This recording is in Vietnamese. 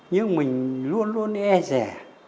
nhưng mình luôn luôn e rẻ